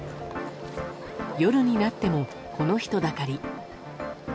夜になっても、この人だかり。